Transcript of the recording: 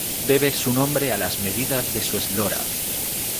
Debe su nombre a las medidas de su eslora.